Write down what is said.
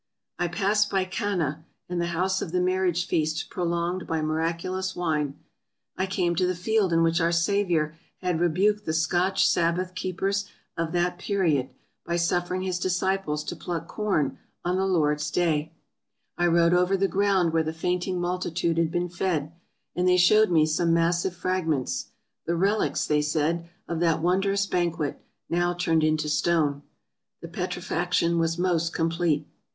I passed by Cana, and the house of the marriage feast prolonged by miraculous wine ; I came to the field in which our Saviour had rebuked the Scotch Sabbath keepers of that period, by suffering his disciples to pluck corn on the Lord's Day; I rode over the ground where the fainting multitude had been fed, and they showed me some massive fragments — the relics (they said) of that wondrous banquet, now turned into stone. The petrifaction was most complete.